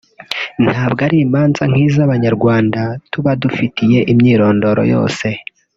ntabwo ari imanza nk’iz’abanyarwanda tuba dufitiye imyirondoro yose